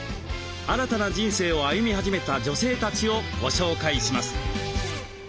新たな人生を歩み始めた女性たちをご紹介します。